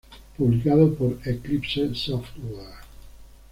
Publicado por Eclipse Software.